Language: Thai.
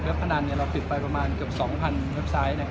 พนันเราปิดไปประมาณเกือบ๒๐๐เว็บไซต์